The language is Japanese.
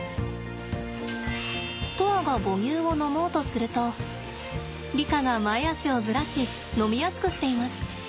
砥愛が母乳を飲もうとするとリカが前肢をずらし飲みやすくしています。